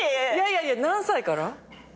いやいや何歳から？